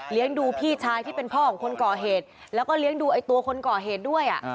ดูพี่ชายที่เป็นพ่อของคนก่อเหตุแล้วก็เลี้ยงดูไอ้ตัวคนก่อเหตุด้วย